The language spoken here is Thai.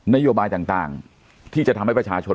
นโยบายต่างที่จะทำให้ประชาชน